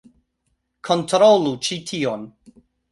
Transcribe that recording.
Kontrolu ĉi tion!